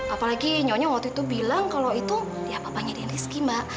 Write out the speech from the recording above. apalagi nyonya waktu itu bilang kalau itu ya papanya dian rizky